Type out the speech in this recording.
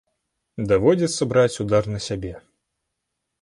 Даводзіцца браць удар на сябе.